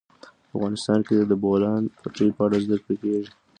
افغانستان کې د د بولان پټي په اړه زده کړه کېږي.